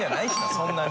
そんなに。